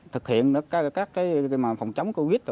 thực hiện các cái phòng chống covid